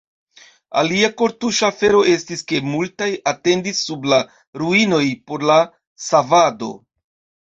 Alia kortuŝa afero estis, ke multaj atendis sub la ruinoj por la savado.